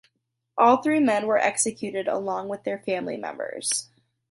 All three men were executed along with their family members.